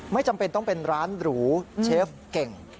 จำเป็นต้องเป็นร้านหรูเชฟเก่ง